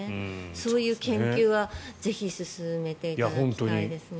そういう研究はぜひ進めていただきたいですね。